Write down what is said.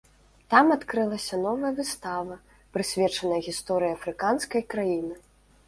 Там адкрылася новая выстава, прысвечаная гісторыі афрыканскай краіны.